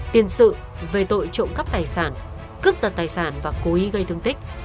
tiền sự về tội trộm cắp tài sản cướp giật tài sản và cố ý gây thương tích